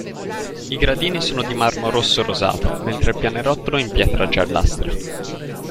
I gradini sono di marmo rosso-rosato, mentre il pianerottolo in pietra giallastra.